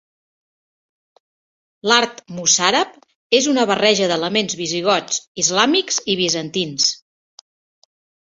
L'art mossàrab és una barreja d'elements visigots, islàmics i bizantins.